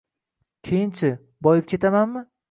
- Keyinchi, boyib ketamanmi?